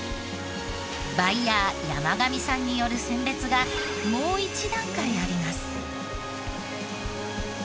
バイヤー山上さんによる選別がもう一段階あります。